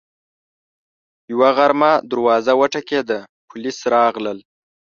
یوه غرمه دروازه وټکېده، پولیس راغلل